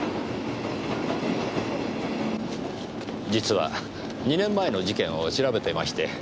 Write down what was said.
実は２年前の事件を調べてまして。